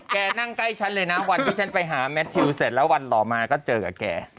นั่งใกล้ฉันเลยนะวันที่ฉันไปหาแมททิวเสร็จแล้ววันต่อมาก็เจอกับแก